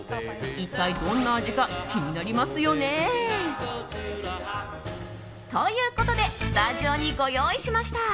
一体どんな味か気になりますよね？ということでスタジオにご用意しました。